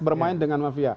bermain dengan mafia